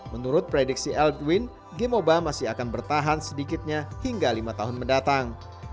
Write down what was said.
menurut prediksi l gwyn game moba masih akan bertahan sedikitnya hingga lima tahun mendatang